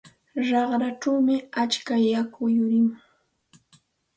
Raqrachawmi atska yaku yurimun.